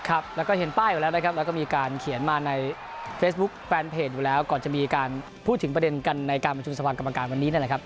ครับแล้วก็เห็นป้ายอยู่แล้วนะครับแล้วก็มีการเขียนมาในเฟซบุ๊คแฟนเพจอยู่แล้วก่อนจะมีการพูดถึงประเด็นกันในการประชุมสภากรรมการวันนี้นั่นแหละครับ